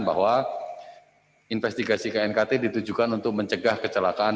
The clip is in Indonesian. bahwa investigasi knkt ditujukan untuk mencegah kecelakaan